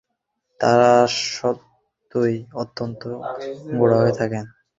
তাঁরা স্বতই অত্যন্ত গোঁড়া হয়ে থাকেন।